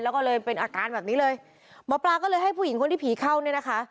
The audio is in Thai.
แล้วก็เลยเป็นอาการแบบนี้เลยหมอปลาก็เลยให้ผู้หญิงคนที่ผีเข้าเนี่ยนะคะ